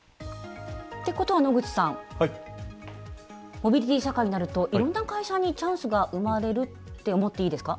モビリティ社会になるといろんな会社にチャンスが生まれるって思っていいですか？